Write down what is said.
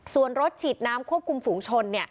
ส่วนรถฉีดน้ำควบคุมฝูงชน